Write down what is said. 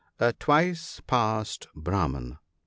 A twice passed Brahman.